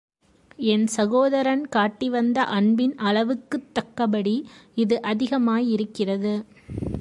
என் சகோதரன் காட்டி வந்த அன்பின் அளவுக்குத் தக்கபடி இது அதிகமா யிருக்கிறது.